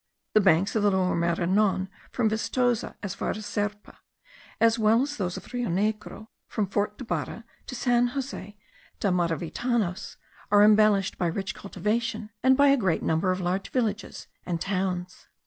The banks of the Lower Maranon, from Vistoza as far as Serpa, as well as those of the Rio Negro from Fort da Bara to San Jose da Maravitanos, are embellished by rich cultivation, and by a great number of large villages and towns.